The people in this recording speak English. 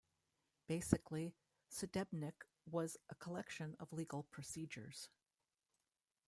Basically, "Sudebnik" was a collection of legal procedures.